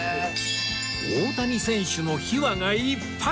大谷選手の秘話がいっぱい！